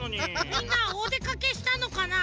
みんなおでかけしたのかな？